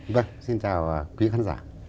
vâng xin chào quý khán giả